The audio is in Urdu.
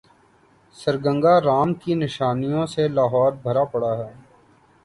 سرگنگا رام کی نشانیوں سے لاہور بھرا پڑا ہے۔